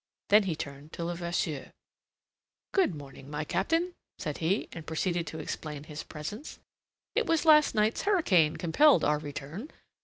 Then he turned to Levasseur. "Good morning, my Captain," said he, and proceeded to explain his presence. "It was last night's hurricane compelled our return.